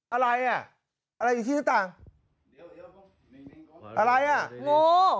อะไรอ่ะอะไรอยู่ที่ชั้นต่างอะไรอ่ะโอ้